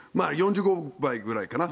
４５倍ぐらいかな。